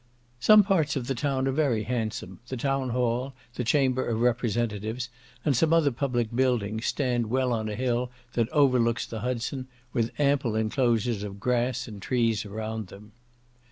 Some parts of the town are very handsome; the Town Hall, the Chamber of Representatives, and some other public buildings, stand well on a hill that overlooks the Hudson, with ample enclosures of grass and trees around them.